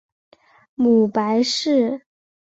母白氏。